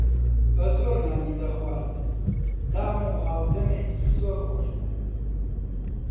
بە زۆر نانی دەرخوارد دام و هاودەمێکی زۆر خۆش بوو